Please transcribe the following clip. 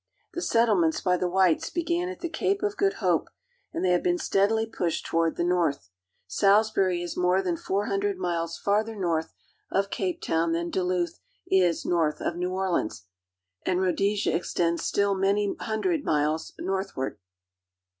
The settlements by the whites began at the Cape ■ of Good Hope, and they have been steadily pushed to ward the north, Salisbury is more than four hundred RHODESIA — THE NIAGARA OF Al^RICA 279 I miles farther north of Cape Town than Duluth is north of New Orleans, and Rhodesia extends stil! many hundred miles northward.